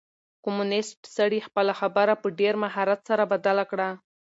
کمونيسټ سړي خپله خبره په ډېر مهارت سره بدله کړه.